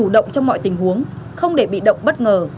để cùng với tình huống không để bị động bất ngờ